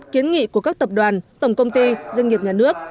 kiến nghị của các tập đoàn tổng công ty doanh nghiệp nhà nước